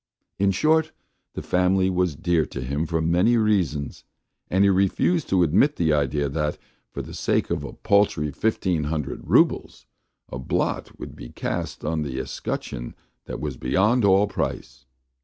In short, the family was dear to him for many reasons, and he refused to admit the idea that, for the sake of a paltry fifteen hundred roubles, a blot should be cast on the escutcheon that was beyond all price.